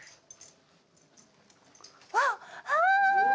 あっあぁ！